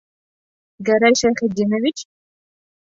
Гәрәй Шәйхетдинович?